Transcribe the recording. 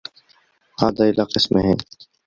عاد إلى قسمه.